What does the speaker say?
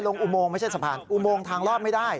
อุโมงไม่ใช่สะพานอุโมงทางลอดไม่ได้